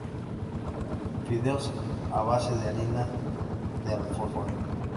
Fideos a base de harina de alforfón.